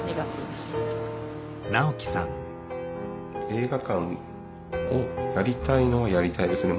映画館をやりたいのはやりたいですね